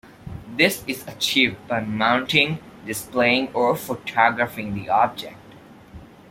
This is achieved by mounting, displaying or photographing the object.